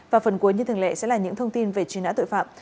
và phần cuối như thường lệ sẽ là những thông tin về truy nã tội phạm